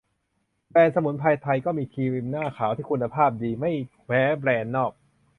แบรนด์สมุนไพรไทยก็มีครีมหน้าขาวที่คุณภาพดีไม่แพ้แบรนด์นอก